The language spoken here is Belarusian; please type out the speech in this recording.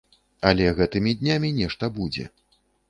Але гэтымі днямі нешта будзе.